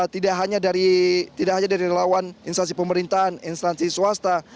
tidak hanya dari lawan instansi pemerintahan instansi swasta